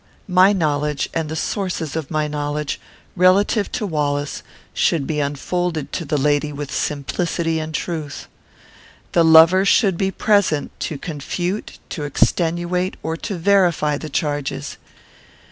My knowledge, and the sources of my knowledge, relative to Wallace, should be unfolded to the lady with simplicity and truth. The lover should be present, to confute, to extenuate, or to verify the charges.